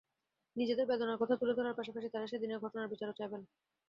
নিজেদের বেদনার কথা তুলে ধরার পাশাপাশি তাঁরা সেদিনের ঘটনার বিচারও চাইবেন।